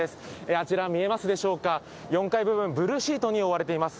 あちら、見えますでしょうか、４階部分、ブルーシートに覆われています。